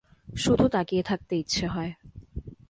শুধু তাকিয়ে থাকতে ইচ্ছে হয়।